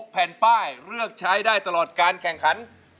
แผ่นป้ายเลือกใช้ได้ตลอดการแข่งขัน